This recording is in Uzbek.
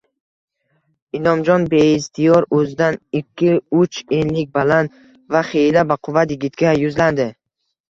Inomjon beiztiyor o`zidan ikki-uch enlik baland va xiyla baquvvat yigitga yuzlandi